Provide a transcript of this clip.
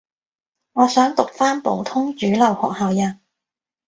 我想讀返普通主流學校呀